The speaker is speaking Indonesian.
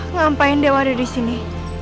ngapain dewa ada di sini